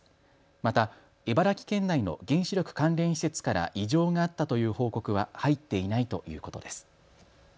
また茨城県内の原子力関連施設から異常があったという報告は入っていないということです。